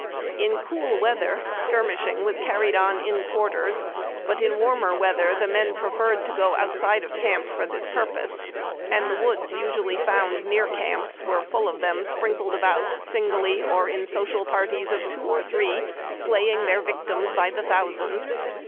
In cool weather "skirmishing" was car ried on in quarters, but in warmer weather the men pre ferred to go outside of camp for this purpose ; and the woods usually found near camps were full of them sprinkled about singly or in social parties of two or three slaying their vic tims by the thousands.